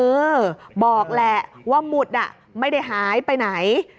เออบอกแหละว่าหมุดอ่ะไม่ได้หายไปไหน